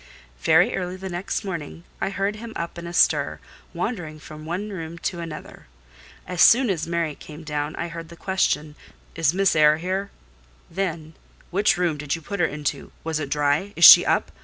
Very early the next morning I heard him up and astir, wandering from one room to another. As soon as Mary came down I heard the question: "Is Miss Eyre here?" Then: "Which room did you put her into? Was it dry? Is she up?